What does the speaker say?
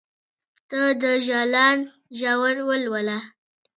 ته د جلان ژور ولوله